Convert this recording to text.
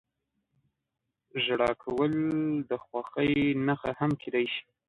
• ژړا کول د خوښۍ نښه هم کېدای شي.